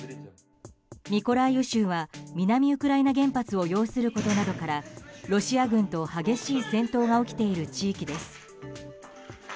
ミコライウ州は南ウクライナ原発を擁することなどからロシア軍と激しい戦闘が起きている地域です。